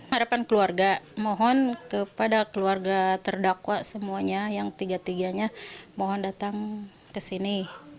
harapan keluarga mohon kepada keluarga terdakwa semuanya yang tiga tiganya mohon datang ke sini